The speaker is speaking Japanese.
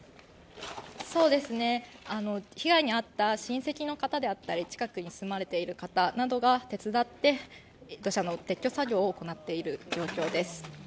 被害に遭った親戚の方であったり、近くに住まわれている方などが手伝って土砂の撤去作業を行っている状況です。